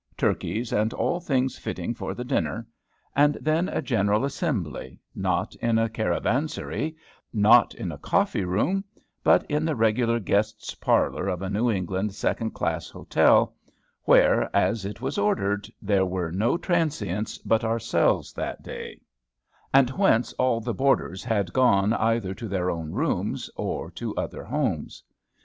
Turkeys, and all things fitting for the dinner; and then a general assembly, not in a caravanserai, not in a coffee room, but in the regular guests' parlor of a New England second class hotel, where, as it was ordered, there were no "transients" but ourselves that day; and whence all the "boarders" had gone either to their own rooms, or to other homes.